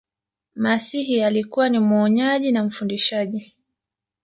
masihi alikuwa ni muonyaji na mfundisaji